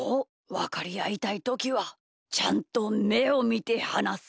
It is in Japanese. わかりあいたいときはちゃんとめをみてはなす。